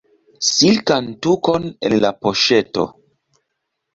Silkan tukon en la poŝeto.